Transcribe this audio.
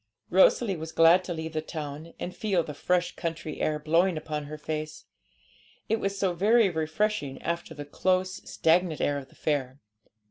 Rosalie was glad to leave the town, and feel the fresh country air blowing upon her face. It was so very refreshing after the close, stagnant air of the fair.